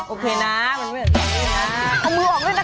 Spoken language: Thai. โอเคโอเคนะมันไม่เหมือนตาวรีดนะ